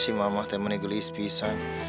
si mama teman teman gelis pisang